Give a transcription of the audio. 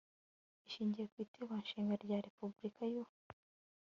ishingiye ku iteko nshinga rya repubulika y u